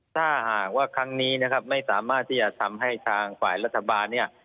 ถ้าหากว่าครั้งนี้นะครับไม่สามารถที่จะทำให้ทางฝ่ายรัฐบาลเนี่ย